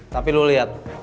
tapi lu lihat